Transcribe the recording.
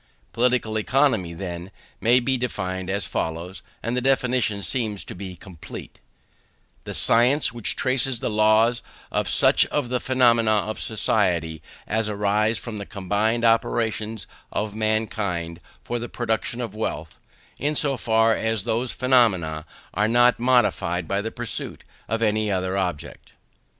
Political Economy, then, may be defined as follows; and the definition seems to be complete: "The science which traces the laws of such of the phenomena of society as arise from the combined operations of mankind for the production of wealth, in so far as those phenomena are not modified by the pursuit of any other object."